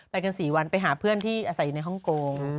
กัน๔วันไปหาเพื่อนที่อาศัยอยู่ในฮ่องกง